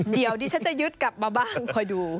เดี๋ยวดิฉันจะยึดกลับมาบ้างคอยดู